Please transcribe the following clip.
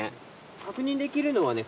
確認できるのはね